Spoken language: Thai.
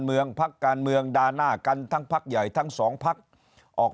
เมืองพรรคการเมืองด่าหน้ากันทั้งพรรคใหญ่ทั้งสองพรรคออก